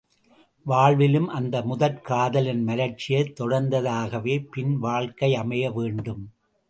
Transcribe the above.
வாழ்விலும் அந்த முதற் காதலின் மலர்ச்சியைத் தொடர்ந்ததாகவே பின் வாழ்க்கை அமைய வேண்டும்.